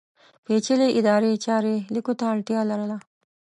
پېچلې ادارې چارې لیکلو ته اړتیا لرله.